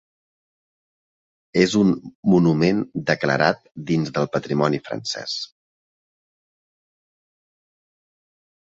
És un monument declarat dins del patrimoni francès.